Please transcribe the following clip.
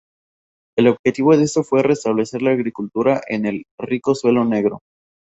El objetivo de esto fue restablecer la agricultura en el rico suelo negro.